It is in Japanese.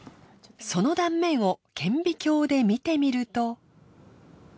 その断面を顕微鏡で見てみると。